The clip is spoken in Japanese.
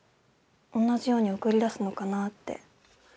同じように送り出すのかなあって。